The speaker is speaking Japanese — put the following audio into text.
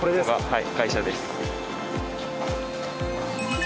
はい。